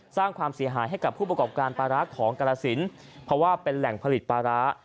สร้างความเสียหายให้กับผู้ประกอบการปลาร้าของกรสินเพราะว่าเป็นแหล่งผลิตปลาร้า